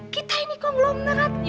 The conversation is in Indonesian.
kita ini kok belum nerat